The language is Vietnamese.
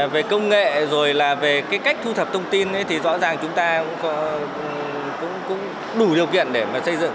về công nghệ rồi là về cái cách thu thập thông tin thì rõ ràng chúng ta cũng đủ điều kiện để mà xây dựng